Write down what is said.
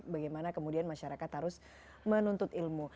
bagaimana kemudian masyarakat harus menuntut ilmu